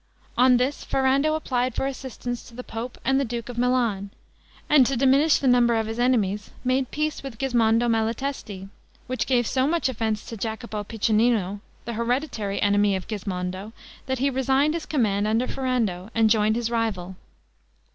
On this Ferrando applied for assistance to the pope and the duke of Milan; and, to diminish the number of his enemies, made peace with Gismondo Malatesti, which gave so much offense to Jacopo Piccinino, the hereditary enemy of Gismondo, that he resigned his command under Ferrando, and joined his rival.